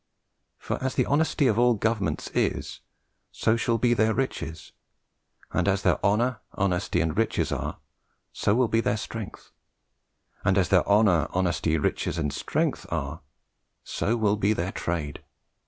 For as the Honesty of all governments is, so shall be their Riches; and as their Honour, Honesty, and Riches are, so will be their Strength; and as their Honour, Honesty, Riches, and Strength are, so will be their Trade.